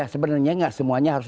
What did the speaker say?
sebenarnya nggak semuanya harus